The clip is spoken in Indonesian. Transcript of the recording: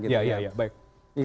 ya ya ya baik